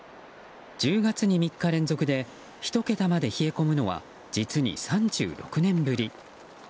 １０月に３日連続で１桁まで冷え込むのは実に３６年ぶり。